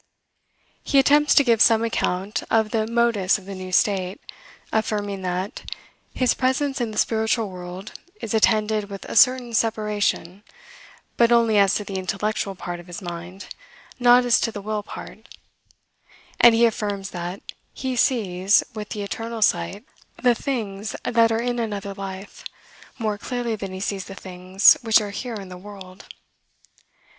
He attempts to give some account of the modus of the new state, affirming that "his presence in the spiritual world is attended with a certain separation, but only as to the intellectual part of his mind, not as to the will part;" and he affirms that "he sees, with the internal sight, the things that are in another life, more clearly than he sees the things which are here in the world."